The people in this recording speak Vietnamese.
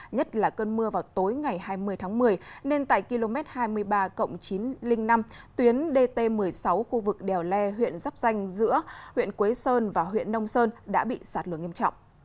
nhất là cơn mưa vào tối ngày hai mươi tháng một mươi nên tại km hai mươi ba chín trăm linh năm tuyến dt một mươi sáu khu vực đèo le huyện giáp danh giữa huyện quế sơn và huyện nông sơn đã bị sạt lửa nghiêm trọng